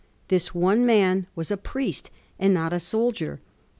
This one man was a priest, and not a soldier.